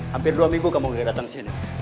hampir dua minggu kamu gak datang sini